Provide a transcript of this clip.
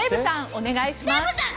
お願いします。